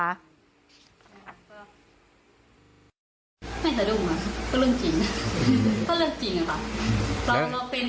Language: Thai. ไม่แต่ดุหรอกเป็นเรื่องจริงเป็นเรื่องจริงค่ะ